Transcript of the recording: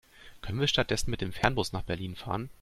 Können wir stattdessen mit dem Fernbus nach Berlin fahren?